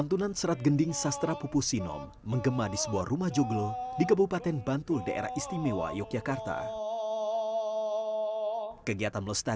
dengan media teknologi digital